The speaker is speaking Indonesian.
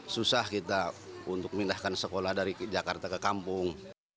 susah kita untuk pindahkan sekolah dari jakarta ke kampung